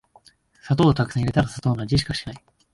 砂糖をたくさん入れたら砂糖の味しかしない